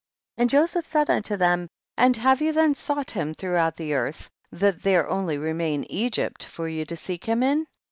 27. And Joseph said imto them, and have you then sought him throughout the earth, that there only remained Egypt for you to seek him in